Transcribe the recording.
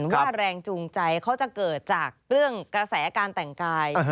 ว่าแรงจูงใจเขาจะเกิดจากเรื่องกระแสการแต่งกาย